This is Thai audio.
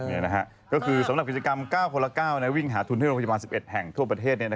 นี่นะฮะก็คือสำหรับกิจกรรม๙คนละ๙วิ่งหาทุนให้โรงพยาบาล๑๑แห่งทั่วประเทศ